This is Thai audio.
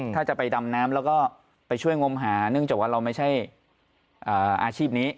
ถ้าจะไปดำน้ำแล้วก็ไปช่วยงมหาเนื่องจากว่าเราไม่ใช่อาชีพนี้